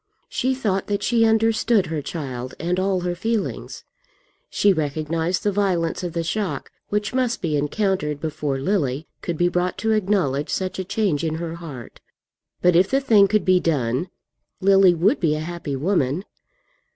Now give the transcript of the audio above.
She thought that she understood her child and all her feelings. She recognized the violence of the shock which must be encountered before Lily could be brought to acknowledge such a change in her heart. But if the thing could be done, Lily would be a happy woman.